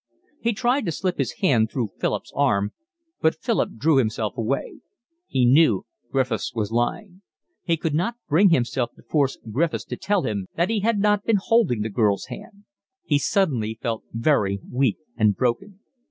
He tried to slip his hand through Philip's arm, but Philip drew himself away. He knew Griffiths was lying. He could not bring himself to force Griffiths to tell him that he had not been holding the girl's hand. He suddenly felt very weak and broken.